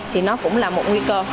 thì nó cũng là một nguy cơ